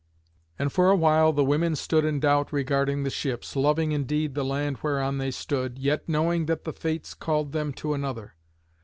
And for a while the women stood in doubt regarding the ships, loving indeed the land whereon they stood, yet knowing that the Fates called them to another.